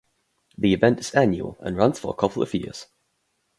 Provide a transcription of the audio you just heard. The event is annual and runs for a couple of years.